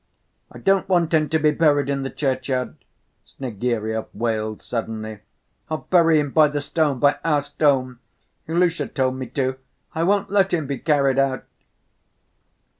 "I don't want him to be buried in the churchyard," Snegiryov wailed suddenly; "I'll bury him by the stone, by our stone! Ilusha told me to. I won't let him be carried out!"